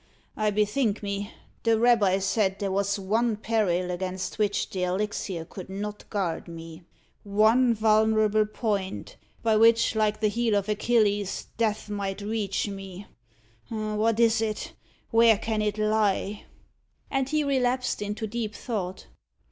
Ha! I bethink me, the rabbi said there was one peril against which the elixir could not guard me one vulnerable point, by which, like the heel of Achilles, death might reach me! What is it! where can it lie?" And he relapsed into deep thought.